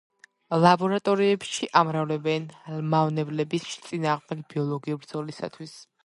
ლაბორატორიებში ამრავლებენ მავნებლების წინააღმდეგ ბიოლოგიური ბრძოლისათვის.